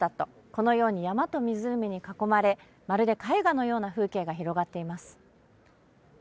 このように山と湖に囲まれ、まるで絵画のような風景が広がっています。